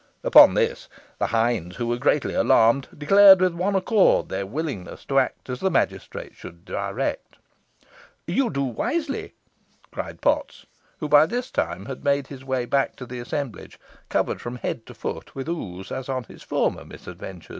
Upon this, the hinds, who were greatly alarmed, declared with one accord their willingness to act as the magistrate should direct. "You do wisely," cried Potts, who by this time had made his way back to the assemblage, covered from head to foot with ooze, as on his former misadventure.